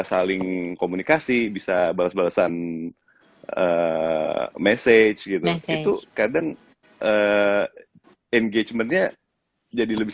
paling komunikasi bisa barusan barusan mesej itu kadang engagementnya jadi lebih